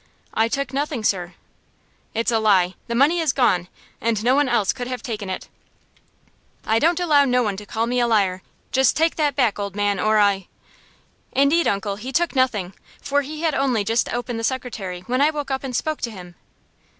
"I took nothing, sir." "It's a lie! The money is gone, and no one else could have taken it." "I don't allow no one to call me a liar. Just take that back, old man, or I " "Indeed, uncle, he took nothing, for he had only just opened the secretary when I woke up and spoke to him."